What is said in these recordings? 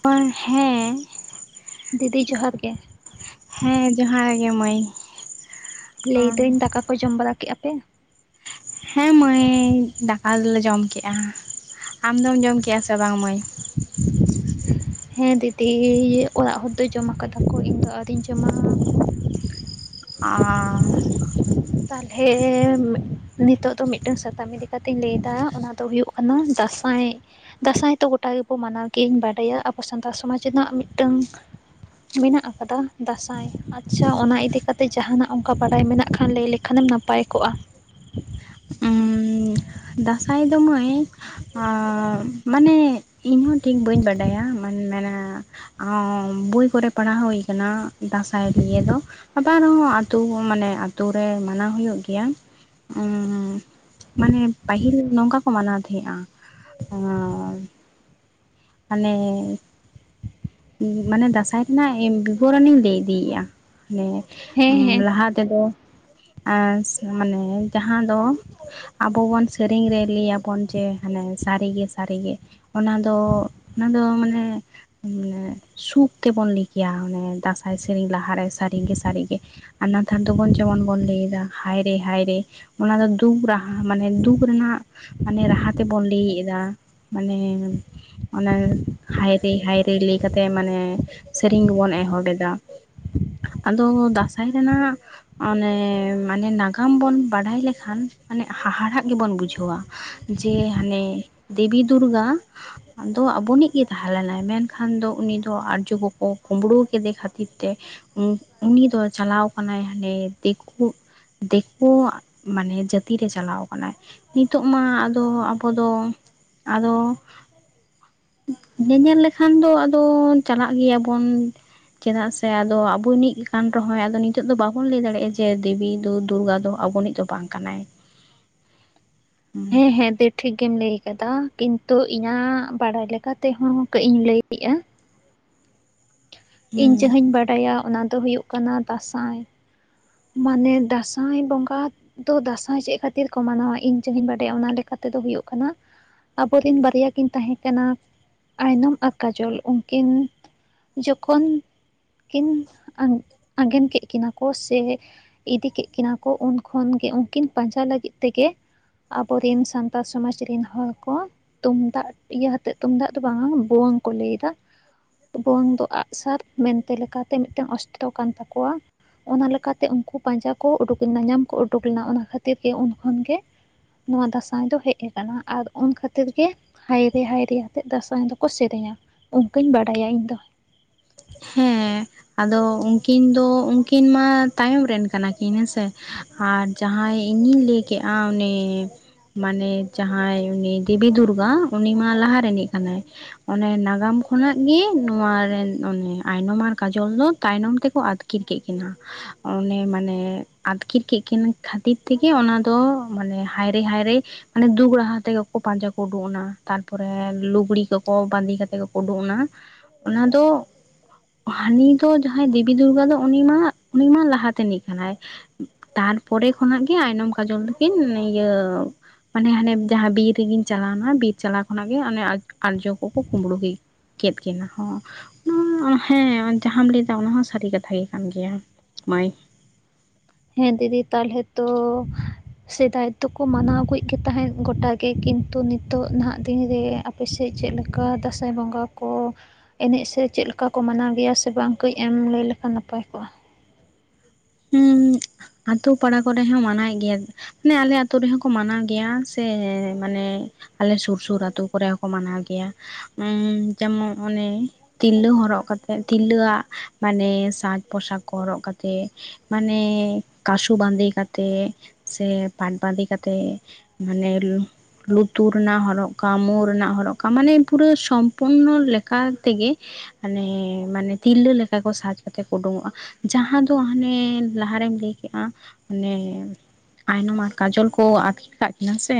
ᱯ [unintelligible] ᱦᱮᱸ ᱫᱤᱫᱤ ᱡᱚᱦᱟᱨ ᱜᱮ ᱦᱮᱸ ᱡᱚᱦᱟᱨ ᱜᱮ ᱢᱟᱹᱭ ᱞᱟᱹᱭᱫᱟᱹᱧ ᱫᱟᱠᱟ ᱠᱚ ᱡᱚᱢ ᱵᱟᱲᱟ ᱠᱮᱫᱼᱟ ᱯᱮ ᱦᱮᱸ ᱢᱟᱹᱭ ᱫᱟᱠᱟ ᱫᱚᱞᱮ ᱡᱚᱢ ᱠᱮᱫᱼᱟ ᱟᱢᱫᱚᱢ ᱡᱚᱢ ᱠᱮᱫᱼᱟ ᱥᱮ ᱵᱟᱝ ᱢᱟᱹᱭ ᱦᱮᱸ ᱫᱤᱫᱤ ᱚᱲᱟᱜ ᱦᱚᱲ ᱫᱚ ᱡᱚᱢ ᱟᱠᱟᱫᱟ ᱠᱚ ᱤᱧ ᱫᱚ ᱟᱣᱨᱤᱧ ᱡᱚᱢᱟ ᱚᱼ ᱛᱟᱞᱦᱮ ᱱᱤᱛᱚᱜ ᱫᱚ ᱢᱤᱫᱴᱟᱝ ᱥᱟᱛᱟᱢ ᱤᱫᱤ ᱠᱟᱛᱮ. ᱧ ᱞᱟᱹᱭ ᱮᱫᱟ ᱚᱱᱟ ᱫᱚ ᱦᱩᱭᱩᱜ ᱠᱟᱱᱟ ᱫᱟᱸᱥᱟᱭ ᱫᱟᱸᱥᱟᱭ ᱛᱚ ᱜᱚᱴᱟ ᱜᱮᱵᱚ ᱢᱟᱱᱟᱣ ᱜᱮᱧ ᱵᱟᱰᱟᱭᱟ ᱟᱵᱚ ᱥᱟᱱᱛᱟᱲ ᱥᱚᱢᱟᱡᱽ ᱨᱮᱱᱟᱜ ᱢᱤᱫᱴᱟᱝ ᱢᱮᱱᱟᱜ ᱟᱠᱟᱫᱟ ᱫᱟᱸᱥᱟᱭ ᱟᱪᱪᱷᱟ ᱚᱱᱟ ᱤᱫᱤᱠᱟ ᱠᱟᱛᱮ ᱡᱟᱦᱟᱱᱟᱜ ᱚᱱᱠᱟ ᱵᱟᱰᱟᱭ ᱢᱮᱱᱟᱜ ᱠᱷᱟᱱ ᱞᱟᱹᱭ ᱞᱮᱠᱷ ᱠᱷᱟᱱᱮᱢ ᱱᱟᱯᱟᱭ ᱠᱚᱜᱼᱟ ᱫᱟᱸᱥᱟᱭ ᱫᱚ ᱢᱟᱹᱭ ᱟ ᱢᱟᱱᱮ ᱤᱧᱦᱚᱸ ᱴᱷᱤᱠ ᱵᱟᱹᱧ ᱵᱟᱰᱟᱭᱟ ᱢᱮᱱᱟ ᱵᱳᱭ ᱠᱚᱨᱮ ᱯᱟᱲᱦᱟᱣ ᱦᱩᱭ ᱠᱟᱱᱟ ᱫᱟᱸᱥᱟᱭ ᱱᱤᱭᱮ ᱫᱚ ᱟᱵᱟᱨ ᱦᱚᱸ ᱟᱛᱳ ᱢᱟᱱᱮ ᱟᱛᱳ ᱨᱮ ᱢᱟᱱᱟᱣ ᱦᱩᱭᱩᱜ ᱜᱮᱭᱟ ᱚᱼ ᱢᱟᱱᱮ ᱯᱟᱹᱦᱤᱞ ᱱᱚᱝᱠᱟ ᱠᱚ ᱢᱟᱱᱟᱣ ᱛᱟᱦᱮᱸᱜᱼᱟ ᱟᱨ ᱢᱟᱱᱮ ᱢᱟᱱᱮ ᱫᱟᱸᱥᱟᱭ ᱨᱮᱱᱟᱜ ᱵᱤᱵᱚᱨᱚᱱᱤᱧ ᱞᱟᱹᱭ ᱤᱫᱤᱭᱮᱫᱼᱟ ᱢᱟᱱᱮ ᱦᱮᱸ ᱦᱮᱸ ᱞᱟᱦᱟ ᱛᱮᱫᱚ ᱟᱸᱥ ᱢᱟᱱᱮ ᱡᱟᱦᱟᱸ ᱫᱚ ᱟᱵᱚ ᱵᱚᱱ ᱥᱮᱨᱮᱧ ᱨᱮ ᱞᱟᱹᱭᱟᱵᱚᱱ ᱡᱮ ᱦᱟᱱᱮ ᱥᱟᱹᱨᱤᱜᱮ ᱥᱟᱹᱨᱤᱜᱮ ᱚᱱᱟ ᱫᱚ ᱚᱱᱟ ᱫᱚ ᱢᱟᱱᱮ ᱥᱩᱠ ᱛᱮᱵᱚᱱ ᱞᱟᱹᱭ ᱠᱮᱭᱟ ᱚᱱᱮ ᱫᱟᱸᱥᱟᱭ ᱥᱮᱨᱮᱧ ᱞᱟᱦᱟᱨᱮ ᱥᱟᱹᱨᱤᱜᱮ ᱥᱟᱹᱨᱤᱜᱮ ᱟᱨ ᱱᱮᱛᱟᱨ ᱫᱚᱵᱚᱱ ᱡᱮᱢᱚᱱ ᱵᱚᱱ ᱞᱟᱹᱭ ᱮᱫᱟ ᱦᱟᱭᱨᱮ ᱦᱟᱭᱨᱮ ᱚᱱᱟ ᱫᱚ ᱫᱩᱠ ᱨᱟᱦᱟ ᱢᱟᱱᱮ ᱫᱩᱠ ᱨᱮᱱᱟᱜ ᱢᱟᱱᱮ ᱨᱟᱦᱟ ᱛᱮᱵᱚᱱ ᱞᱟᱹᱭᱮᱫ ᱮᱫᱟ ᱢᱟᱱᱮ ᱚᱱᱟ ᱦᱟᱭᱨᱮ ᱦᱟᱭᱨᱮ ᱞᱟᱹᱭ ᱠᱟᱛᱮᱜ ᱢᱟᱱᱮ ᱥᱮᱨᱮᱧ ᱜᱮᱵᱚᱱ ᱮᱦᱚᱵ ᱮᱫᱟ᱾ ᱟᱫᱚ ᱫᱟᱸᱥᱟᱭ ᱨᱮᱱᱟᱜ ᱚᱱᱮ ᱢᱟᱱᱮ ᱱᱟᱜᱟᱢ ᱵᱚᱱ ᱵᱟᱰᱟᱭ ᱞᱮᱠᱷᱟᱱ ᱢᱟᱱᱮ ᱦᱟᱦᱟᱲᱟᱜ ᱜᱮᱵᱚᱱ ᱵᱩᱡᱷᱟᱹᱣᱟ ᱡᱮ ᱦᱟᱱᱮ ᱫᱮᱵᱤ ᱫᱩᱨᱜᱟ ᱟᱫᱚ ᱟᱵᱚᱱᱤᱡ ᱜᱮ ᱛᱟᱦᱮᱸ ᱞᱮᱱᱟᱭ ᱢᱮᱱᱠᱷᱟᱱ ᱫᱚ ᱩᱱᱤ ᱫᱚ ᱟᱨᱡᱚ ᱠᱚᱠᱚ ᱠᱩᱢᱵᱽᱲᱩᱣ ᱠᱤᱫᱤ ᱠᱷᱟᱹᱛᱤᱨ ᱛᱮ ᱩᱱᱤ ᱫᱚ ᱪᱟᱞᱟᱣ ᱠᱟᱱᱟᱭ ᱦᱟᱱᱮ ᱫᱤᱠᱩ ᱫᱮᱠᱩ ᱟᱜ ᱢᱟᱱᱮ ᱡᱟᱹᱛᱤᱨᱮ ᱪᱟᱞᱟᱣ ᱠᱟᱱᱟᱭ ᱱᱤᱛᱚᱜ ᱢᱟ ᱟᱫᱚ ᱟᱵᱚ ᱫᱚ ᱟᱫᱚ ᱧᱮᱧᱮᱞ ᱞᱮᱠᱷᱟᱱ ᱫᱚ ᱟᱫᱚ ᱪᱟᱞᱟᱜ ᱜᱮᱭᱟᱵᱚᱱ ᱪᱮᱫᱟᱜ ᱥᱮ ᱟᱫᱚ ᱟᱵᱚᱱᱤᱡ ᱠᱟᱱ ᱨᱮᱦᱚᱸ ᱟᱫᱚ ᱱᱤᱛᱚᱜ ᱫᱚ ᱵᱟᱵᱚᱱ ᱞᱟᱹᱭ ᱫᱟᱲᱮᱭᱟᱜᱼᱟ ᱡᱮ ᱫᱮᱵᱤ ᱫᱚ ᱫᱩᱨᱜᱟ ᱫᱚ ᱟᱵᱚᱱᱤᱡ ᱫᱚ ᱵᱟᱝ ᱠᱟᱱᱟᱭ [inaudible] ᱦᱩᱸ ᱦᱮᱸ ᱦᱮᱸ ᱮᱱᱛᱮ ᱴᱷᱤᱠ ᱜᱤᱢ ᱞᱟᱹᱭ ᱟᱠᱟᱫᱟ ᱠᱤᱱᱛᱩ ᱤᱧᱟᱹᱜ ᱵᱟᱲᱟᱭ ᱞᱮᱠᱟᱛᱮᱦᱚᱸ ᱠᱟᱹᱡ ᱤᱧ ᱞᱟᱹᱭᱮᱜᱼᱟ᱾ ᱤᱧ ᱦᱩᱸ ᱡᱟᱦᱟᱸᱧ ᱵᱟᱰᱟᱭᱟ ᱚᱱᱟ ᱫᱚ ᱦᱩᱭᱩᱜ ᱠᱟᱱᱟ ᱫᱟᱸᱥᱟᱭ᱾ ᱢᱟᱱᱮ ᱫᱟᱸᱥᱟᱭ ᱵᱚᱸᱜᱟ, ᱫᱚ ᱫᱟᱸᱥᱟᱭ ᱪᱮᱫ ᱠᱷᱟᱹᱛᱤᱨ ᱠᱚ ᱢᱟᱱᱟᱣᱟ ᱤᱧ ᱪᱮᱛ ᱤᱧ ᱵᱟᱰᱟᱭᱟ ᱚᱱᱟ ᱞᱮᱠᱟᱛᱮᱫᱚ ᱦᱩᱭᱩᱜ ᱠᱟᱱᱟ ᱟᱵᱚᱨᱮᱱ ᱵᱟᱨᱭᱟ ᱠᱤᱱ ᱛᱟᱦᱮᱸ ᱠᱟᱱᱟ ᱟᱭᱱᱚᱢ ᱟᱨ ᱠᱟᱡᱚᱞ ᱩᱱᱠᱤᱱ ᱡᱚᱠᱷᱚᱱ ᱠᱤᱱ ᱟᱸᱜᱮᱱ ᱠᱮᱫ ᱠᱤᱱᱟᱹ ᱠᱚ ᱥᱮ ᱤᱫᱤ ᱠᱮᱫ ᱠᱤᱱᱟᱹ ᱠᱚ ᱩᱱ ᱠᱷᱚᱱ ᱜᱮ ᱩᱱᱠᱤᱱ ᱯᱟᱸᱡᱟ ᱞᱟᱹᱜᱤᱫ ᱛᱮᱜᱮ ᱟᱵᱚᱨᱮᱱ ᱥᱟᱱᱛᱟᱲ ᱥᱚᱢᱟᱡᱽ ᱨᱮᱱ ᱦᱚᱲ ᱠᱚ ᱛᱩᱢᱫᱟᱜ ᱤᱭᱟᱹ ᱦᱟᱛᱮᱫ ᱛᱩᱢᱫᱟᱜ ᱫᱚ ᱵᱟᱝᱟ ᱵᱷᱚᱱ ᱠᱚ ᱞᱟᱹᱭ ᱫᱟ ᱵᱷᱩᱝ ᱫᱚ ᱟᱜᱼᱥᱟᱨ ᱢᱮᱱᱛᱮ ᱞᱮᱠᱟᱛᱮ ᱢᱤᱫᱴᱮᱱ ᱚᱥᱴᱚ ᱠᱟᱱ ᱛᱟᱠᱚᱣᱟ᱾ ᱚᱱᱟ ᱞᱮᱠᱟᱛᱮ ᱛᱮ ᱩᱱᱠᱩ ᱯᱟᱸᱡᱟ ᱠᱚ ᱩᱰᱩᱠ ᱞᱮᱱᱟ ᱧᱟᱢ ᱠᱚ ᱩᱰᱩᱠ ᱞᱮᱱᱟ ᱚᱱᱟ ᱠᱷᱟᱹᱛᱤᱨ ᱜᱮ ᱩᱱ ᱠᱷᱚᱱ ᱜᱮ ᱱᱚᱣᱟ ᱫᱟᱥᱟᱸᱭ ᱫᱚ ᱦᱮᱡ ᱟᱠᱟᱱᱟ ᱟᱨ ᱩᱱ ᱠᱷᱟᱹᱛᱤᱨ ᱜᱮ ᱦᱟᱭᱨᱮ ᱦᱟᱭᱨᱮ ᱟᱛᱮᱜ ᱫᱟᱸᱥᱟᱭ ᱫᱚᱠᱚ ᱥᱮᱨᱮᱧᱟ ᱚᱱᱠᱟᱧ ᱵᱟᱰᱟᱭᱟ ᱤᱧ ᱫᱚ᱾ ᱦᱮᱸ ᱟᱫᱚ ᱩᱱᱠᱤᱱ ᱫᱚ ᱩᱱᱠᱤᱱ ᱢᱟ ᱛᱟᱭᱚᱢ ᱨᱮᱱ ᱠᱟᱱᱟ ᱠᱤᱱ ᱦᱮᱸᱥᱮ ᱟᱨ ᱡᱟᱦᱟᱸᱭ ᱤᱧᱤᱧ ᱞᱟᱹᱭ ᱠᱮᱜᱟ ᱚᱱᱮ ᱢᱟᱱᱮ ᱡᱟᱦᱟᱸᱭ ᱩᱱᱤ ᱫᱮᱵᱤ ᱫᱩᱨᱜᱟ ᱩᱱᱤ ᱢᱟ ᱞᱟᱦᱟ ᱨᱤᱱᱤᱡ ᱠᱟᱱᱮ᱾ ᱚᱱᱮ ᱱᱟᱜᱟᱢ ᱠᱷᱚᱱᱟᱜ ᱜᱤ ᱱᱚᱣᱟᱨᱮᱱ ᱚᱱᱤ ᱭᱟᱜ ᱛᱟᱭᱱᱚᱢ ᱟᱨ ᱠᱟᱡᱚᱞ ᱫᱚ ᱛᱟᱭᱱᱚᱢ ᱛᱮᱠᱚ ᱟᱹᱛᱠᱤᱨ ᱠᱮᱫ ᱠᱤᱱᱟᱹ᱾ ᱚᱱᱮ ᱢᱟᱱᱮ ᱟᱛᱠᱤᱨ ᱠᱮᱫ ᱠᱤᱱ ᱠᱷᱟᱹᱛᱤᱨ ᱛᱮᱜᱮ ᱚᱱᱟ ᱫᱚ ᱢᱟᱱᱮ ᱦᱟᱭᱨᱮ ᱦᱟᱭᱨᱮ ᱢᱟᱱᱮ ᱫᱩᱠ ᱨᱟᱦᱟ ᱛᱮᱜᱤ ᱠᱩ ᱯᱟᱸᱡᱟ ᱠᱚ ᱩᱰᱩᱠ ᱱᱟ ᱛᱟᱨᱯᱚᱨᱮ ᱞᱩᱜᱽᱲᱤ ᱠᱚᱠᱚ ᱵᱟᱸᱫᱤ ᱠᱟᱛᱮᱫ ᱜᱮᱠᱚ ᱩᱰᱩᱠᱱᱟ ᱚᱱᱟ ᱫᱚ, ᱦᱟᱹᱱᱤ ᱫᱚ ᱡᱟᱦᱟᱸᱭ ᱫᱤᱵᱤ ᱫᱩᱨᱜᱟ ᱫᱚ ᱩᱱᱤ ᱢᱟ ᱩᱱᱤ ᱢᱟ ᱞᱟᱦᱟ ᱛᱮᱱᱤᱡ ᱠᱟᱱᱟᱭ ᱛᱟᱨᱯᱚᱨᱮ ᱠᱷᱚᱱᱟᱜ ᱜᱮ ᱟᱭᱱᱚᱢ ᱠᱟᱡᱚᱞ ᱫᱚᱠᱤᱱ ᱤᱭᱟᱹ ᱢᱟᱱᱮ ᱦᱟᱱᱮ ᱡᱟᱦᱟᱸ ᱵᱤᱨ ᱨᱮᱜᱤᱧ ᱪᱟᱞᱟᱣᱱᱟ ᱵᱤᱨ ᱪᱟᱞᱟᱣ ᱠᱷᱚᱱᱟᱜ ᱜᱮ ᱟᱨᱡᱚ ᱠᱚᱠᱚ ᱠᱩᱳᱢᱵᱽᱲᱩ ᱜᱮ ᱠᱮᱫ ᱠᱤᱱᱟ ᱦᱚᱸ ᱦᱮᱸ ᱡᱟᱦᱟᱸᱢ ᱞᱟᱹᱭ ᱮᱫᱟ ᱚᱱᱟ ᱦᱚᱸ ᱥᱟᱹᱨᱤ ᱠᱟᱛᱷᱟ ᱜᱮ ᱠᱟᱱ ᱜᱮᱭᱟ ᱢᱟᱹᱭ᱾ ᱦᱮᱸ ᱫᱤᱫᱤ ᱛᱟᱦᱚᱞᱮ ᱛᱚ ᱥᱮᱫᱟᱭ ᱫᱚᱠᱩ ᱢᱟᱱᱟᱣᱜ ᱜᱮ ᱛᱟᱦᱮᱸᱫ ᱜᱚᱴᱟᱜ ᱜᱮ ᱠᱤᱱᱛᱩ ᱱᱤᱛᱚᱜ ᱱᱟᱦᱟᱜ ᱫᱤᱱ ᱨᱮ ᱟᱯᱮᱥᱮᱫ ᱪᱮᱫ ᱞᱮᱠᱟ ᱫᱟᱸᱥᱟᱭ ᱵᱚᱸᱜᱟ ᱠᱚ ᱮᱱᱮᱡ ᱥᱮ ᱪᱮᱫ ᱞᱮᱠᱟ ᱠᱚ ᱢᱟᱱᱟᱣ ᱜᱮᱭᱟ ᱥᱮ ᱵᱟᱝ ᱠᱟᱹᱡ ᱟᱢ ᱞᱟᱹᱭ ᱞᱮᱠᱷᱟᱱ ᱱᱟᱯᱟᱭ ᱠᱚᱜᱼᱟ᱾ ᱦᱩᱸ [inaudible] ᱟᱛᱳ ᱯᱟᱲᱟ ᱠᱚᱨᱮ ᱦᱚᱸ ᱢᱟᱱᱟᱣᱮ ᱜᱮᱭᱟ ᱢᱟᱱᱮ ᱟᱞᱮ ᱟᱹᱛᱩ ᱨᱮᱦᱚᱸ ᱠᱚ ᱢᱟᱱᱟᱣ ᱜᱮᱭᱟ ᱥᱮ ᱢᱟᱱᱮ ᱟᱞᱮ ᱥᱩᱨ ᱥᱩᱨ ᱟᱛᱳ ᱠᱚᱨᱮ ᱦᱚᱸᱠᱚ ᱢᱟᱱᱟᱣ ᱜᱮᱭᱟ ᱩ ᱡᱮᱢᱚᱱ ᱚᱱᱮ ᱛᱤᱨᱞᱟᱹ ᱦᱚᱨᱚᱜ ᱠᱟᱛᱮᱜ ᱛᱤᱨᱞᱟᱹᱣᱟᱜ ᱢᱟᱱᱮ ᱥᱟᱡᱽ ᱯᱳᱥᱟᱠ ᱠᱚ ᱦᱚᱨᱚᱜ ᱠᱟᱛᱮᱜ ᱢᱟᱱᱮ ᱠᱟᱥᱩ ᱵᱟᱸᱫᱮ ᱠᱟᱛᱮᱜ ᱥᱮ ᱯᱟᱴ ᱵᱟᱸᱫᱮ ᱠᱟᱛᱮᱜ ᱢᱟᱱᱮ ᱞᱩᱛᱩᱨ ᱨᱮᱱᱟᱜ ᱦᱚᱨᱚᱜ ᱠᱟᱢ ᱢᱩ ᱨᱮᱱᱟᱜ ᱦᱚᱨᱚᱜ ᱠᱟᱢ ᱢᱟᱱᱮ ᱯᱩᱨᱟᱹ ᱥᱚᱢᱯᱩᱨᱱᱚ ᱞᱮᱠᱟ ᱛᱮᱜᱮ ᱢᱟᱱᱮ ᱢᱟᱱᱮ ᱛᱤᱨᱞᱟᱹ ᱞᱮᱠᱟ ᱠᱚ ᱥᱟᱡᱽ ᱠᱟᱛᱮ ᱠᱚ ᱩᱰᱩᱠᱚᱜᱼᱟ ᱡᱟᱦᱟᱸ ᱫᱚ ᱦᱟᱱᱮ ᱞᱟᱦᱟᱨᱮᱧ ᱞᱟᱹᱭ ᱠᱮᱫᱟ ᱚᱱᱮ ᱟᱭᱱᱚᱢ ᱟᱨ ᱠᱟᱡᱚᱞ ᱠᱚ ᱟᱫ ᱠᱟᱫ ᱠᱤᱱᱟ ᱥᱮ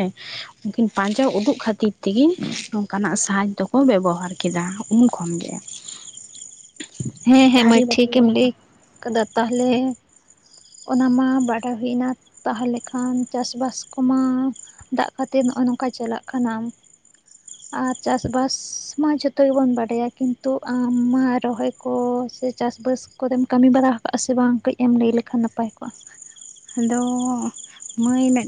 ᱩᱱᱠᱤᱱ ᱯᱟᱸᱡᱟ ᱩᱫᱩᱜ ᱠᱷᱟᱹᱛᱤᱨ ᱛᱮᱜᱮ ᱱᱚᱝᱠᱟᱱᱟᱜ ᱥᱟᱦᱟᱡ ᱫᱚᱠᱚ ᱵᱮᱵᱚᱦᱟᱨ ᱠᱮᱫᱟ ᱩᱱ ᱠᱷᱚᱱ ᱜᱮ ᱦᱮᱸ ᱦᱮᱸ ᱢᱟᱹᱭ ᱵᱟᱹᱴᱤ ᱴᱷᱤᱠᱮᱢ ᱞᱟᱹᱭ ᱜᱟᱥᱟᱣ ᱠᱟᱫᱟ ᱛᱟᱦᱚᱞᱮ ᱚᱱᱟᱢᱟ ᱵᱟᱰᱟᱭ ᱦᱩᱭ ᱮᱱᱟ ᱛᱟᱦᱚᱞᱮ ᱠᱷᱟᱱ ᱪᱟᱥ ᱵᱟᱥ ᱠᱚᱢᱟ ᱫᱟᱜ ᱠᱷᱹᱟᱛᱤᱫ ᱱᱚᱜᱼᱚᱭ ᱱᱚᱝᱠᱟ ᱪᱟᱞᱟᱜ ᱠᱟᱱᱟ ᱟᱨ ᱪᱟᱥᱵᱟᱥ ᱢᱟ ᱡᱷᱚᱛᱚ ᱜᱮᱵᱚᱱ ᱵᱟᱰᱟᱭᱟ ᱠᱤᱱᱛᱩ ᱟᱢ ᱢᱟ ᱨᱚᱦᱚᱭ ᱠᱚ ᱥᱮ ᱪᱟᱥᱵᱟᱥ ᱠᱚᱛᱮᱢ ᱠᱟᱹᱢᱤ ᱵᱟᱲᱟ ᱟᱠᱟᱜᱼᱟ ᱥᱮ ᱵᱟᱝ ᱠᱟᱹᱡ ᱮᱢ ᱞᱟᱹᱭ ᱞᱮᱠᱷᱟᱱ ᱱᱟᱯᱟᱭ ᱠᱚᱜᱼᱟ ᱦᱟᱞᱚ ᱢᱟᱹᱭ ᱢᱮ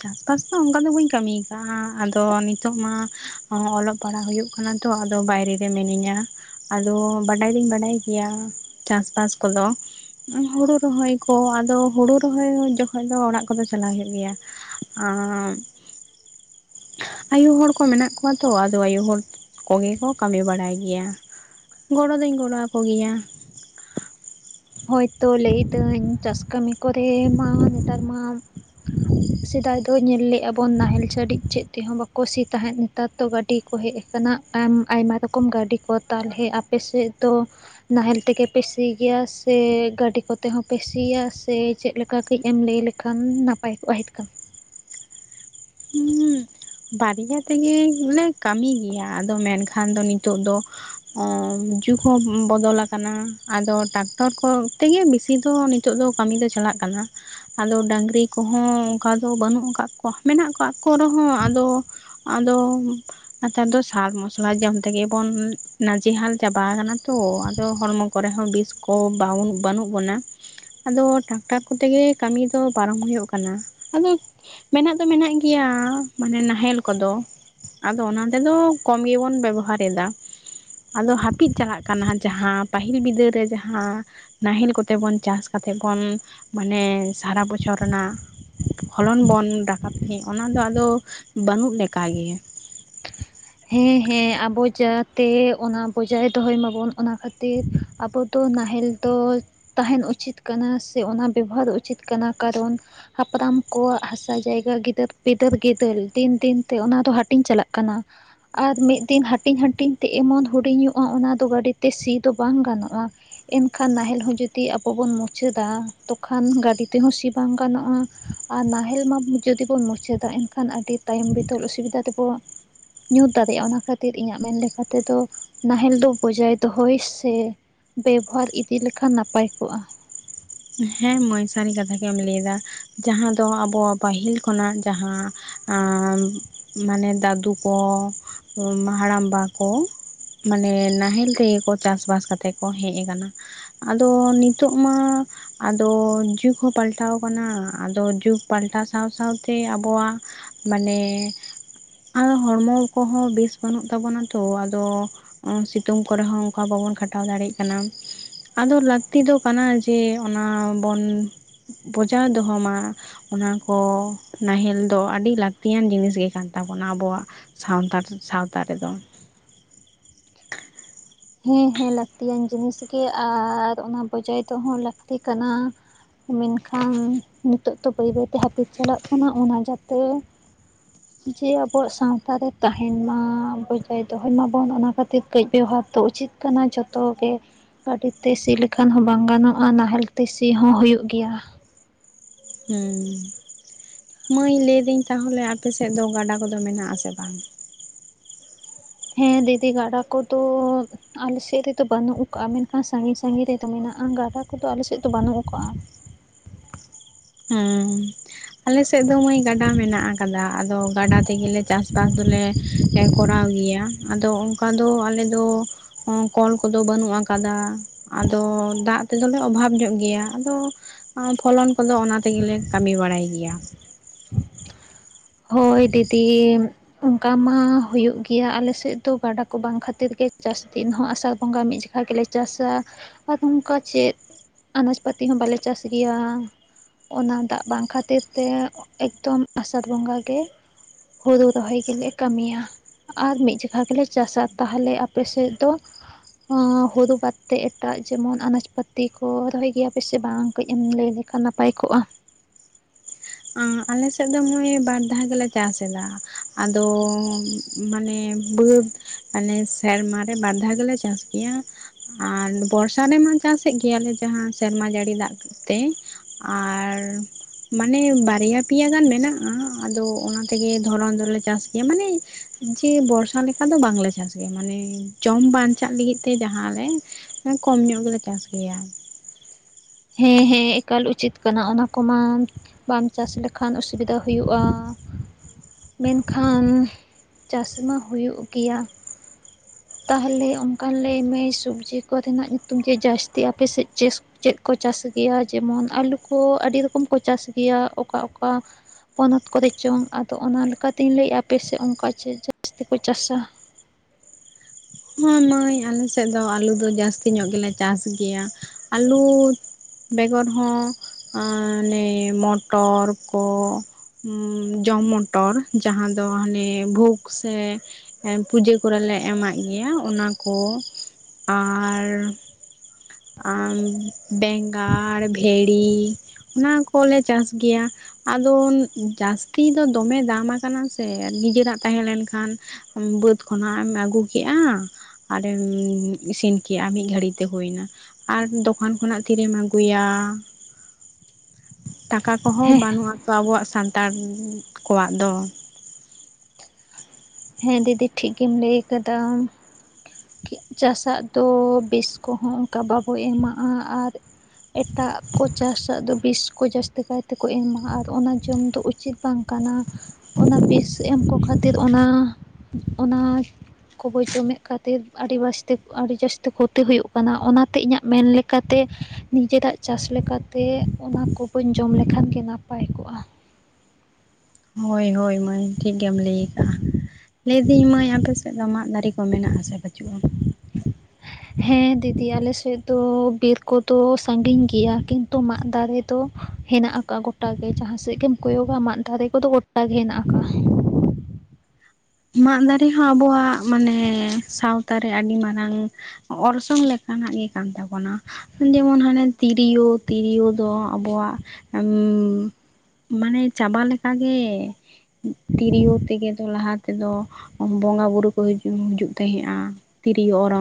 ᱪᱟᱥᱼᱵᱟᱥ ᱫᱚ ᱚᱱᱠᱟ ᱫᱚ ᱵᱟᱹᱧ ᱠᱟᱹᱢᱤ ᱠᱟᱜᱼᱟ ᱟᱫᱚ ᱱᱤᱛᱚᱜ ᱢᱟ ᱚᱞᱚᱜ ᱯᱟᱲᱦᱟᱜ ᱦᱩᱭᱩᱜ ᱠᱟᱱᱟ ᱛᱚ ᱟᱫᱚ ᱵᱟᱭᱨᱮ ᱨᱮ ᱢᱤᱱᱟᱹᱧᱟ ᱟᱫᱚ ᱵᱟᱰᱟᱭ ᱫᱩᱧ ᱵᱟᱰᱟᱭ ᱜᱮᱭᱟ ᱪᱟᱥᱵᱟᱥ ᱠᱚᱫᱚ ᱦᱩᱲᱩ ᱨᱚᱦᱚᱭ ᱠᱚ ᱟᱫᱚ ᱦᱳᱲᱩ ᱨᱚᱦᱚᱭ ᱡᱚᱠᱷᱚᱡ ᱫᱚ ᱚᱲᱟᱜ ᱠᱚᱫᱚ ᱪᱟᱞᱟᱣ ᱦᱩᱭᱩᱜ ᱜᱮᱭᱟ ᱟ ᱟᱭᱩ ᱦᱚᱲ ᱠᱚ ᱢᱮᱱᱟᱜ ᱠᱚᱣᱟ ᱛᱚ ᱟᱫᱚ ᱟᱭᱩ ᱦᱚᱲ ᱠᱚᱜᱮ ᱠᱚ ᱠᱟᱹᱢᱤ ᱵᱟᱲᱟᱭ ᱜᱮᱭᱟ ᱜᱚᱲᱚ ᱫᱩᱧ ᱜᱚᱲᱚ ᱟᱠᱚ ᱜᱮᱭᱟ ᱦᱳᱭᱛᱚ ᱞᱟᱹᱭᱫᱟᱹᱧ ᱪᱟᱥ ᱠᱟᱹᱢᱤ ᱠᱚᱨᱮ ᱢᱟ ᱱᱮᱛᱟᱨ ᱢᱟ ᱥᱮᱫᱟᱭ ᱫᱚ ᱧᱮᱞ ᱞᱮᱼᱟ ᱵᱚᱱ ᱱᱟᱦᱮᱞ ᱪᱷᱟ. ᱰᱤᱡ ᱪᱮᱫ ᱛᱮᱦᱚᱸ ᱵᱟᱠᱚ ᱥᱤ ᱛᱟᱦᱮᱸᱫ ᱱᱮᱛᱟᱨ ᱫᱚ ᱜᱟᱹᱰᱤ ᱠᱚ ᱦᱮᱡ ᱟᱭᱢᱟ ᱨᱚᱠᱚᱢ ᱜᱟᱹᱰᱤ ᱠᱚ ᱛᱟᱦᱚᱞᱮ ᱟᱯᱮ ᱥᱮᱫ ᱫᱚ ᱱᱟᱦᱮᱞ ᱛᱮᱜᱮ ᱯᱮ ᱥᱤ ᱜᱮᱭᱟ ᱥᱮ ᱥᱮ ᱜᱟᱹᱰᱤ ᱠᱚᱛᱮ ᱦᱚᱸ ᱯᱮ ᱥᱤᱭᱟ ᱥᱮ ᱪᱮᱫ ᱞᱮᱠᱟ ᱠᱟᱹᱡ ᱮᱢ ᱞᱟᱹᱭ ᱞᱮᱠᱷᱟᱱ ᱱᱟᱯᱟᱭ ᱠᱚᱜᱼᱟ ᱦᱤᱛ ᱠᱟᱞ ᱦᱩᱸ ᱵᱟᱨᱭᱟ ᱛᱮᱜᱮᱞᱮ ᱠᱟᱹᱢᱤ ᱜᱮᱭᱟ ᱟᱫᱚ ᱢᱮᱱᱠᱷᱟᱱ ᱫᱚ ᱱᱤᱛᱚᱜ ᱫᱚ ᱡᱩᱜᱽ ᱦᱚᱸ ᱵᱚᱫᱚᱞ ᱠᱟᱱᱟ ᱟᱫᱚ ᱴᱨᱟᱠᱴᱚᱨ ᱠᱚ ᱛᱮᱜᱮ ᱵᱮᱥᱤ ᱫᱚ ᱱᱤᱛᱚᱜ ᱫᱚ ᱠᱟᱹᱢᱤ ᱫᱚ ᱪᱟᱞᱟᱜ ᱠᱟᱱᱟ ᱟᱫᱚ ᱰᱟᱹᱝᱨᱤ ᱠᱚᱦᱚᱸ ᱚᱱᱠᱟ ᱫᱚ ᱵᱟᱹᱱᱩᱜ ᱟᱠᱟᱫ ᱠᱚᱣᱟ ᱢᱮᱱᱟᱜ ᱠᱟᱜ ᱠᱚ ᱨᱮᱦᱚᱸ ᱟᱫᱚ ᱫᱚ ᱟᱫᱚ ᱱᱮᱛᱟᱨ ᱫᱚ ᱥᱟᱠ ᱢᱚᱥᱞᱟ ᱡᱚᱢ ᱛᱮᱜᱮ ᱵᱚᱱ ᱱᱟᱡᱮ ᱦᱟᱞ ᱪᱟᱵᱟ ᱠᱟᱱᱟ ᱛᱚ ᱟᱫᱚ ᱦᱚᱲᱢᱚ ᱠᱚ ᱠᱚᱨᱮ ᱦᱚᱸ ᱵᱤᱥ ᱠᱚ ᱵᱟᱹᱱᱩᱜ ᱵᱚᱱᱟ ᱟᱫᱚ ᱴᱟᱠᱴᱟᱨ ᱠᱚᱛᱮᱜᱮ ᱠᱟᱹᱢᱤ ᱫᱚ ᱯᱟᱨᱚᱢ ᱦᱩᱭᱩᱜ ᱠᱟᱱᱟ ᱟᱫᱚ ᱢᱮᱱᱟᱜ ᱫᱚ ᱢᱮᱱᱟᱜ ᱜᱮᱭᱟ ᱢᱟᱱᱮ ᱱᱟᱦᱮᱞ ᱠᱚᱫᱚ ᱟᱫᱚ ᱚᱱᱟ ᱛᱮᱫᱚ ᱠᱚᱢ ᱜᱮᱵᱚᱱ ᱵᱮᱵᱚᱦᱟᱨ ᱮᱫᱟ ᱟᱫᱚ ᱦᱟᱹᱯᱤᱫ ᱪᱟᱞᱟᱜ ᱠᱟᱱᱟ ᱡᱟᱦᱟᱸ ᱯᱟᱹᱦᱤᱞ ᱵᱤᱫᱟᱹᱞ ᱨᱮ ᱡᱟᱦᱟᱸ ᱱᱟᱦᱮᱞ ᱠᱚᱛᱮ ᱵᱚᱱ ᱪᱟᱥ ᱠᱟᱛᱮᱜ ᱵᱚᱱ ᱢᱟᱱᱮ ᱥᱟᱨᱟ ᱵᱚᱪᱷᱚᱨ ᱨᱮᱱᱟᱜ ᱯᱷᱚᱞᱚᱱ ᱵᱚᱱ ᱨᱟᱠᱟᱵ ᱛᱟᱦᱮᱸᱫ ᱚᱱᱟᱫᱚ ᱟᱫᱚ ᱵᱟᱹᱱᱩᱜ ᱞᱮᱠᱟᱜᱮ ᱦᱮᱸ ᱦᱮᱸ ᱟᱵᱚ ᱡᱟᱛᱮ ᱚᱱᱟ ᱵᱚᱡᱟᱭ ᱫᱚᱦᱚᱭ ᱢᱟᱵᱚᱱ ᱚᱱᱟ ᱠᱷᱟᱹᱛᱤᱨ ᱟᱵᱚ ᱛᱚ ᱱᱟᱦᱮᱞ ᱛᱚ ᱛᱟᱦᱮᱱ ᱩᱪᱤᱛ ᱠᱟᱱᱟ ᱥᱮ ᱚᱱᱟ ᱵᱮᱵᱚᱦᱟᱨ ᱩᱪᱤᱛ ᱠᱟᱱᱟ ᱠᱟᱨᱚᱱ ᱦᱟᱯᱲᱟᱢ ᱠᱚᱣᱟᱜ ᱦᱟᱥᱟ ᱡᱟᱭᱜᱟ ᱜᱤᱫᱟᱹᱨ ᱯᱤᱫᱟᱹᱨ ᱜᱤᱫᱟᱹᱞ ᱫᱤᱱ ᱫᱤᱱᱛᱮ ᱚᱱᱟ ᱫᱚ ᱦᱟᱹᱴᱤᱧ ᱪᱟᱞᱟᱜ ᱠᱟᱱᱟ ᱟᱨ ᱢᱤᱫ ᱫᱤᱱ ᱦᱟᱹᱴᱤᱧ ᱦᱟᱹᱴᱤᱧ ᱛᱮ ᱮᱢᱚᱱ ᱦᱩᱰᱤᱧᱚᱜᱼᱟ ᱚᱱᱟ ᱫᱚ ᱜᱟᱹᱰᱤ ᱛᱮ ᱥᱤ ᱫᱚ ᱵᱟᱝ ᱜᱟᱱᱚᱜᱼᱟ ᱮᱱᱠᱷᱟᱱ ᱱᱟᱦᱮᱞ ᱦᱚᱸ ᱡᱩᱫᱤ ᱟᱵᱚ ᱵᱚᱱ ᱢᱩᱪᱟᱹᱫᱟ ᱛᱚᱠᱷᱟᱱ ᱜᱟᱹᱰᱤ ᱛᱮᱦᱚᱸ ᱥᱤ ᱵᱟᱝ ᱜᱟᱱᱚᱜᱼᱟ ᱟᱨ ᱱᱟᱦᱮᱞ ᱢᱟ ᱡᱩᱫᱤ ᱵᱚᱱ ᱢᱩᱪᱟᱹᱫᱟ ᱮᱱᱠᱷᱟᱱ ᱟᱹᱰᱤ ᱛᱟᱭᱚᱢ ᱵᱤᱫᱚᱞ ᱚᱥᱩᱵᱤᱫᱟ ᱛᱮᱵᱚᱱ ᱧᱩᱛ ᱫᱟᱲᱮᱭᱟᱜᱼᱟ ᱚᱱᱟ ᱠᱷᱟᱹᱛᱤᱨ ᱤᱧᱟᱹᱜ ᱢᱮᱱ ᱞᱮᱠᱟ ᱛᱮᱫᱚ ᱱᱟᱦᱮᱞ ᱫᱚ ᱵᱚᱡᱟᱭ ᱫᱚᱦᱚᱭ ᱥᱮ ᱵᱮᱵᱚᱦᱟᱨ ᱤᱫᱤ ᱞᱮᱠᱷᱟᱱ ᱱᱟᱯᱟᱭ ᱠᱚᱜᱼᱟ ᱦᱮᱸ ᱢᱟᱹᱭ ᱥᱟᱹᱨᱤ ᱠᱟᱛᱷᱟᱜᱮᱢ ᱞᱟᱹᱭ ᱫᱟ ᱡᱟᱦᱟᱸ ᱫᱚ ᱟᱵᱚᱣᱟᱜ ᱯᱟᱹᱦᱤᱞ ᱠᱷᱚᱱᱟᱜ ᱡᱟᱦᱟᱸ ᱟᱻ ᱢᱟᱱᱮ ᱫᱟᱹᱫᱩ ᱠᱚ ᱦᱟᱲᱟᱢ ᱵᱟ ᱠᱚ ᱢᱟᱱᱮ ᱱᱟᱦᱮᱞ ᱛᱮᱜᱮ ᱠᱚ ᱪᱟᱥ ᱵᱟᱥ ᱠᱟᱛᱮᱜ ᱠᱚ ᱦᱮᱡ ᱟᱠᱟᱱᱟ ᱟᱫᱚ ᱱᱤᱛᱚᱜ ᱢᱟᱻ ᱟᱫᱚ ᱡᱩᱜᱽ ᱦᱚᱸ ᱯᱟᱞᱴᱟᱣ ᱠᱟᱱᱟ ᱟᱫᱚ ᱡᱩᱜᱽ ᱯᱟᱞᱴᱟᱣ ᱥᱟᱶ ᱥᱟᱶᱛᱮ ᱟᱵᱚᱣᱟᱜ ᱢᱟᱱᱮ ᱟᱨ ᱦᱚᱲᱢᱚ ᱠᱚᱦᱚᱸ ᱵᱮᱥ ᱵᱟᱹᱱᱩᱜ ᱛᱟᱵᱚᱱᱟ ᱛᱚ ᱟᱫᱚ ᱥᱤᱛᱩᱝ ᱠᱚᱨᱮᱦᱚᱸ ᱚᱱᱠᱟ ᱵᱟᱵᱚᱱ ᱠᱷᱟᱴᱟᱣ ᱫᱟᱲᱮᱭᱟᱜ ᱠᱟᱱᱟ ᱟᱫᱚ ᱞᱟᱹᱠᱛᱤ ᱫᱚ ᱠᱟᱱᱟ ᱡᱮ ᱚᱱᱟ ᱵᱚᱱ ᱵᱚᱡᱟᱣ ᱫᱚᱦᱚ ᱢᱟ ᱚᱱᱟ ᱠᱚ ᱱᱟᱦᱮᱞ ᱫᱚ ᱟᱹᱰᱤ ᱞᱟᱹᱠᱛᱤᱭᱟᱱ ᱡᱤᱱᱤᱥ ᱜᱮ ᱠᱟᱱ ᱛᱟᱵᱚᱱᱟ ᱟᱵᱚᱣᱟᱜ ᱥᱟᱣᱛᱟ ᱨᱮ ᱨᱮᱫᱚ ᱦᱮᱸ ᱦᱮᱸ ᱞᱟᱹᱠᱛᱤᱭᱟᱱ ᱡᱤᱱᱤᱥ ᱜᱮ ᱟᱨ ᱚᱱᱟ ᱵᱚᱡᱟᱭ ᱛᱮᱦ ᱞᱟᱹᱠᱛᱤ ᱠᱟᱱᱟ ᱢᱮᱱᱠᱷᱟᱱ ᱱᱤᱛᱚᱜ ᱛᱚ ᱵᱟᱹᱭ ᱵᱟᱹᱭ ᱛᱮ ᱦᱟᱹᱯᱤᱫ ᱪᱟᱞᱟᱜ ᱠᱟᱱᱟ ᱚᱱᱟ ᱡᱟᱛᱮ ᱡᱮ ᱟᱵᱚᱣᱟᱜ ᱥᱟᱶᱛᱟ ᱨᱮ ᱛᱟᱦᱮᱱ ᱢᱟ ᱵᱚᱡᱟᱭ ᱫᱚᱦᱚᱭ ᱢᱟᱵᱚᱱ ᱚᱱᱟ ᱠᱷᱟᱹᱛᱤᱨ ᱠᱟᱹᱡ ᱵᱮᱣᱦᱟᱨ ᱫᱚ ᱩᱪᱤᱛ ᱠᱟᱱᱟ ᱡᱷᱚᱛᱚ ᱜᱮ ᱜᱟᱹᱰᱤ ᱛᱮ ᱥᱤ ᱞᱮᱠᱷᱟᱱ ᱦᱚᱸ ᱵᱟᱝ ᱜᱟᱱᱚᱜᱼᱟ ᱱᱟᱦᱮᱞ ᱛᱮ ᱥᱤ ᱦᱚᱸ ᱦᱳᱭᱳᱜ ᱜᱮᱭᱟ ᱦᱩ ᱢᱟᱹᱭ ᱞᱟᱹᱭᱫᱟᱹᱧ ᱛᱟᱦᱚᱞᱮ ᱟᱯᱮᱥᱮᱫ ᱫᱚ ᱜᱟᱰᱟ ᱠᱚᱫᱚ ᱢᱮᱱᱟᱜ ᱟᱥᱮ ᱵᱟᱝ ᱦᱮᱸ ᱫᱤᱫᱤ ᱜᱟᱰᱟ ᱠᱚᱫᱚ ᱻ ᱟᱞᱮ ᱥᱮᱫ ᱨᱮᱫᱚ ᱵᱟᱹᱱᱩᱜ ᱟᱠᱟᱼᱟ ᱢᱮᱱᱠᱷᱟᱱ ᱥᱟᱺᱜᱤᱧ ᱥᱟᱺᱜᱤᱧ ᱨᱮᱫᱚ ᱢᱮᱱᱟᱜᱼᱟ ᱜᱟᱰᱟ ᱠᱚᱫᱚ ᱟᱞᱮ ᱥᱮᱫ ᱫᱚ ᱵᱟᱹᱱᱩᱜ ᱟᱠᱟᱜᱼᱟ ᱦᱩᱸ ᱟᱞᱮᱥᱮᱫ ᱫᱚ ᱢᱟᱹᱭ ᱜᱟᱰᱟ ᱢᱮᱱᱟᱜ ᱟᱠᱟᱫᱟ ᱟᱫᱚ ᱜᱟᱰᱟ ᱛᱮᱜᱮᱞᱮ ᱪᱟᱥ ᱵᱟᱥ ᱫᱚᱞᱮ [inaudible] ᱦᱮᱸᱠᱚᱨᱟᱣ ᱜᱮᱭᱟ ᱟᱫᱚ ᱚᱱᱠᱟ ᱫᱚ ᱟᱞᱮ ᱫᱚ ᱠᱚᱞ ᱠᱚᱫᱚ ᱵᱟᱹᱱᱩᱜ ᱟᱠᱟᱫᱟ ᱟᱫᱚ ᱫᱟᱜ ᱛᱮᱫᱚᱞᱮ ᱚᱵᱷᱟᱵ ᱧᱚᱜ ᱜᱮᱭᱟ ᱟᱫᱚ ᱯᱷᱚᱞᱚᱱ ᱠᱚᱫᱚ ᱚᱱᱟ ᱛᱮᱜᱮᱞᱮ ᱠᱟᱹᱢᱤ ᱵᱟᱲᱟᱭ ᱜᱮᱭᱟ ᱦᱳᱭ ᱫᱤᱫᱤ ᱩᱸᱦ ᱚᱱᱠᱟ ᱢᱟ ᱦᱩᱭᱩᱜ ᱜᱮᱭᱟ ᱟᱞᱮᱥᱮᱫ ᱫᱚ ᱜᱟᱰᱟ ᱠᱚ ᱵᱟᱝ ᱠᱷᱟᱹᱛᱤᱨ ᱜᱮ ᱪᱟᱥ ᱫᱤᱱ ᱦᱚᱸ ᱟᱥᱟᱲ ᱵᱚᱸᱜᱟ ᱢᱤᱫ ᱡᱚᱠᱷᱟ ᱜᱮᱞᱮ ᱪᱟᱥᱟ ᱟ ᱚᱱᱠᱟ ᱪᱮᱫ ᱟᱱᱟᱡᱯᱟᱹᱛᱤ ᱦᱚᱸ ᱵᱟᱞᱮ ᱪᱟᱥ ᱜᱮᱭᱟ ᱚᱱᱟ ᱫᱟᱜ ᱵᱟᱝ ᱠᱷᱟᱹᱛᱤᱨ ᱛᱮ ᱮᱠᱫᱚᱢ ᱟᱥᱟᱲ ᱵᱚᱸᱜᱟᱜᱮ ᱦᱩᱲᱩ ᱨᱚᱦᱚᱭ ᱜᱮᱞᱮ ᱠᱟᱹᱢᱤᱭᱟ ᱟᱨ ᱢᱤᱫ ᱡᱷᱤᱠᱟ. ᱜᱮᱞᱮ ᱪᱟᱥᱟ ᱛᱟᱦᱞᱮ ᱟᱯᱮ ᱥᱮᱫ ᱫᱚ? ᱦᱩᱲᱩ ᱵᱟᱫᱛᱮ ᱮᱴᱟᱜ ᱡᱮᱢᱚᱱ ᱟᱱᱟᱡᱽ ᱯᱟᱹᱛᱤ ᱠᱚ ᱨᱚᱦᱚᱭ ᱜᱮᱭᱟ ᱯᱮᱥᱮ ᱵᱟᱝ ᱠᱟᱹᱡ ᱮᱢ ᱞᱟᱹᱭ ᱞᱮᱠᱷᱟᱱ ᱱᱟᱯᱟᱭ ᱯᱟᱭ ᱠᱚᱜᱼᱟ ᱟᱞᱮ ᱥᱮᱫ ᱫᱚ ᱢᱟᱹᱭ ᱵᱟᱨ ᱫᱷᱟᱣ ᱜᱮᱞᱮ ᱪᱟᱥ ᱮᱫᱟ ᱟᱫᱚ ᱢᱟᱱᱮ ᱵᱟᱹᱫ ᱢᱟᱱᱮ ᱥᱮᱨᱢᱟ ᱨᱮ ᱵᱟᱨ ᱫᱷᱟᱣ ᱜᱮᱞᱮ ᱪᱟᱥᱫᱟ ᱟᱨ ᱵᱚᱨᱥᱟ ᱨᱮᱢᱟ ᱪᱟᱥᱮᱫ ᱜᱮᱭᱟᱞᱮ ᱡᱟᱦᱟᱸ ᱥᱮᱨᱢᱟ ᱡᱟᱹᱲᱤ ᱫᱟᱜ ᱛᱮ ᱟᱨ ᱢᱟᱱᱮ ᱵᱟᱨᱭᱟ ᱯᱮᱭᱟ ᱜᱟᱱ ᱢᱮᱱᱟᱜᱼᱟ ᱟᱫᱚ ᱚᱱᱟ ᱛᱮᱜᱮ ᱫᱷᱚᱨᱚᱱ ᱫᱚᱞᱮ ᱪᱟᱥ ᱜᱮᱭᱟ ᱢᱟᱱᱮ ᱡᱮ ᱵᱚᱨᱥᱟ ᱞᱮᱠᱟ ᱫᱚ ᱵᱟᱝ ᱞᱮ ᱪᱟᱥ ᱜᱮᱭᱟ ᱢᱟᱱᱮ ᱡᱚᱢ ᱵᱟᱧᱪᱟᱜ ᱞᱟᱹᱜᱤᱫ ᱛᱮ ᱡᱟᱦᱟᱸ ᱞᱮ ᱠᱚᱢ ᱧᱚᱜ ᱜᱮᱞᱮ ᱪᱟᱥ ᱜᱮᱭᱟ ᱦᱮᱸ ᱦᱮᱸ ᱮᱠᱟᱞ ᱩᱪᱤᱛ ᱠᱟᱱᱟ ᱚᱱᱟ ᱠᱚᱢᱟ ᱵᱟᱢ ᱪᱟᱥ ᱞᱮᱠᱷᱟᱱ ᱚᱥᱩᱵᱤᱫᱷᱟ ᱦᱩᱭᱩᱜᱼᱟ ᱢᱮᱱᱠᱷᱟᱱ ᱪᱟᱥ ᱢᱟ ᱦᱩᱭᱩᱜ ᱜᱮᱭᱟ ᱛᱟᱦᱚᱞᱮ ᱚᱱᱠᱟᱱ ᱞᱟᱹᱭᱢᱮ ᱥᱚᱵᱽᱡᱤ ᱠᱚᱨᱮᱱᱟᱜ ᱧᱩᱛᱩᱢ ᱪᱮᱫ ᱡᱟᱹᱥᱛᱤ ᱟᱯᱮᱥᱮᱫ ᱪᱮᱫ ᱪᱮᱫ ᱠᱚ ᱪᱟᱥ ᱜᱮᱭᱟ ᱡᱮᱢᱚᱱ ᱟᱹᱞᱩ ᱠᱚ ᱟᱹᱰᱤ ᱨᱚᱠᱚᱢ ᱠᱚ ᱪᱟᱥ ᱜᱮᱭᱟ ᱚᱠᱟ ᱚᱠᱟ ᱯᱚᱱᱚᱛ ᱠᱚᱨᱮ ᱪᱚᱝ ᱟᱫᱚ ᱚᱱᱟ ᱞᱮᱠᱟᱛᱮᱧ ᱞᱟᱹᱭᱮᱜᱼᱟ ᱟᱯᱮᱥᱮᱫ ᱚᱱᱠᱟ ᱪᱮᱫ ᱡᱟᱹᱥᱛᱤ ᱠᱚ ᱪᱟᱥᱟ ᱦᱚᱸ ᱢᱟᱹᱭ ᱟᱞᱮ ᱥᱮᱫ ᱫᱚ ᱟᱹᱞᱩ ᱫᱚ ᱡᱟᱹᱥᱛᱤ ᱧᱚᱜ ᱜᱮᱞᱮ ᱪᱟᱥ ᱜᱮᱭᱟ ᱟᱹᱞᱩ ᱵᱮᱜᱚᱨ ᱟᱺ ᱦᱟᱸᱱᱮ ᱢᱚᱴᱚᱨ ᱠᱚ ᱡᱚᱢ ᱢᱚᱴᱚᱨ ᱡᱟᱦᱟᱸ ᱫᱚ ᱦᱟᱱᱮ ᱵᱷᱳᱜᱽ ᱥᱮ ᱯᱩᱡᱟᱹ ᱠᱚᱨᱮᱞᱮ ᱮᱢᱟᱜ ᱜᱮᱭᱟ ᱚᱱᱟᱠᱚ ᱟᱨᱻ ᱵᱮᱸᱜᱟᱲ ᱵᱷᱮᱲᱤ ᱚᱱᱟ ᱠᱚᱞᱮ ᱪᱟᱥ ᱜᱮᱭᱟ᱾ ᱟᱫᱚ ᱡᱟᱹᱥᱛᱤ ᱫᱚ ᱫᱚᱢᱮ ᱫᱟᱢ ᱠᱟᱱᱟ ᱥᱮ ᱱᱤᱡᱮᱨᱟᱜ ᱛᱟᱦᱮᱸ ᱞᱮᱱ ᱠᱷᱟᱱ ᱵᱟᱹᱫᱽ ᱠᱷᱚᱱᱟᱜ ᱮᱢ ᱟᱹᱜᱩ ᱠᱮᱜᱼᱟ ᱟᱨᱮᱢ ᱤᱥᱤᱱ ᱠᱮᱜᱼᱟ ᱢᱤᱫ ᱜᱷᱟᱹᱲᱤ ᱛᱮ ᱦᱩᱭ ᱱᱟ ᱟᱨ ᱫᱚᱠᱟᱱ ᱠᱷᱚᱱᱟᱜ ᱛᱤᱨᱮᱢ ᱟᱹᱜᱩᱭᱟ ᱴᱟᱠᱟ ᱠᱚᱦᱚᱸ ᱦᱮᱸ ᱵᱟᱹᱱᱩᱜ ᱟᱛᱚ ᱟᱵᱚᱣᱟᱜ ᱥᱟᱱᱛᱟᱲ ᱠᱚᱣᱟᱜ ᱫᱚ ᱦᱮᱸ ᱫᱤᱫᱤ ᱴᱷᱤᱠ ᱜᱮᱢ ᱞᱟᱹᱭ ᱠᱟᱫᱟ᱾ ᱪᱟᱥᱟᱜ ᱫᱚ ᱵᱮᱥ ᱠᱚᱦᱚᱸ ᱚᱱᱠᱟ ᱵᱟᱵᱚ ᱮᱢᱟᱜᱼᱟ ᱟᱨ ᱮᱴᱟᱜ ᱠᱚ ᱪᱟᱥᱟᱜ ᱫᱚ ᱵᱤᱥ ᱠᱚ ᱡᱟᱹᱥᱛᱤ ᱠᱟᱭ ᱛᱮᱠᱚ ᱮᱢᱟ ᱟᱨ ᱚᱱᱟ ᱡᱚᱢ ᱫᱚ ᱩᱪᱤᱛ ᱵᱟᱝ ᱠᱟᱱᱟ᱾ ᱚᱱᱟ ᱵᱤᱥ ᱮᱢ ᱠᱚ ᱠᱷᱟᱹᱛᱤᱨ ᱚᱱᱟ ᱚᱱᱟ ᱠᱚᱵᱚ ᱡᱚᱢᱮᱫ ᱠᱷᱟᱹᱛᱤᱨ ᱟᱹᱰᱤ ᱵᱟᱥᱛᱤ ᱟᱹᱰᱤ ᱡᱟᱹᱥᱛᱤ ᱠᱷᱚᱛᱤ ᱦᱩᱭᱩᱜ ᱠᱟᱱᱟ ᱚᱱᱟᱛᱮ ᱤᱧᱟᱹᱜ ᱢᱮᱱ ᱞᱮᱠᱟ ᱞᱮᱠᱟᱛᱮ ᱱᱤᱡᱮᱨᱟᱜ ᱪᱟᱥ ᱞᱮᱠᱟᱛᱮ ᱚᱱᱟ ᱠᱚ ᱵᱟᱹᱧ ᱡᱚᱢ ᱞᱮᱠᱷᱟᱱ ᱜᱮ ᱱᱟᱯᱟᱭ ᱠᱚᱜᱼᱟ ᱦᱳᱭ ᱦᱳᱭ ᱢᱟᱹᱭ ᱴᱷᱤᱠ ᱜᱮᱢ ᱞᱟᱹᱭ ᱠᱟᱜᱼᱟ ᱞᱟᱹᱭ ᱫᱟᱹᱧ ᱢᱟᱹᱭ ᱟᱯᱮ ᱥᱮᱫ ᱫᱚ ᱢᱟᱫ ᱫᱟᱨᱮ ᱠᱚ ᱢᱮᱱᱟᱜᱼᱟ ᱥᱮ ᱯᱟᱹᱪᱩᱜᱼᱟ [inaudible] ᱦᱮᱸ ᱫᱤᱫᱤ ᱟᱞᱮ ᱥᱮᱫ ᱫᱚ ᱵᱤᱨ ᱠᱚᱫᱚ ᱥᱟᱺᱜᱤᱧ ᱜᱮᱭᱟ ᱠᱤᱱᱛᱩ ᱢᱟᱜ ᱫᱟᱨᱮ ᱫᱚ ᱦᱮᱱᱟᱜ ᱟᱠᱟᱼᱟ ᱜᱚᱴᱟ ᱜᱮ ᱡᱟᱦᱟᱸ ᱥᱮᱫ ᱜᱮᱢ ᱠᱚᱭᱚᱜᱟ ᱢᱟᱫ ᱫᱟᱨᱮ ᱠᱚᱫᱚ ᱜᱚᱴᱟ ᱜᱮ ᱦᱮᱱᱟᱜ ᱠᱟᱜᱼᱟ ᱢᱟᱫ ᱫᱟᱨᱮ ᱦᱚᱸ ᱟᱵᱚᱣᱟᱜ ᱢᱟᱱᱮ ᱥᱟᱶᱛᱟ ᱨᱮ ᱟᱹᱰᱤ ᱢᱟᱨᱟᱝ ᱚᱨᱥᱚᱝ ᱞᱮᱠᱟᱱᱟᱜ ᱜᱮ ᱠᱟᱱ ᱛᱟᱵᱚᱱᱟ᱾ ᱡᱮᱢᱚᱱ ᱦᱟᱱᱮ ᱛᱤᱨᱭᱳ ᱛᱤᱨᱭᱳ ᱫᱚ ᱟᱵᱚᱣᱟᱜ ᱩᱸ ᱢᱟᱱᱮ ᱪᱟᱵᱟ ᱞᱮᱠᱟ ᱜᱮ ᱛᱤᱨᱭᱳ ᱛᱮᱜᱮ ᱫᱚ ᱞᱟᱦᱟ ᱛᱮᱫᱚ ᱵᱚᱸᱜᱟ ᱵᱩᱨᱩ ᱠᱚ ᱦᱤᱡᱩᱜ ᱦᱤᱡᱩᱜ ᱛᱟᱦᱮᱸᱜᱼᱟ ᱛᱤᱨᱤᱭᱳ ᱚᱨᱚᱝ᱾